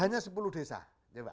hanya sepuluh desa ya mbak